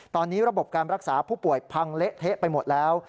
ตอนนี้ระบบการรักษาผู้ป่วยพังเละเทะไปหมดแล้ว